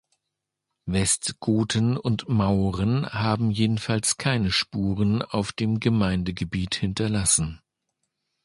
Westgoten und Mauren haben jedenfalls keine Spuren auf dem Gemeindegebiet hinterlassen.